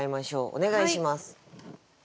お願いします。